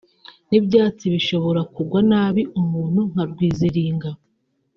n’ibyatsi bishobora kugwa nabi umuntu nka rwiziringa